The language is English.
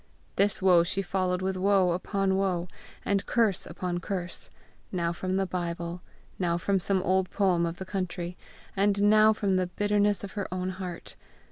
This woe she followed with woe upon woe, and curse upon curse, now from the Bible, now from some old poem of the country, and now from the bitterness of her own heart.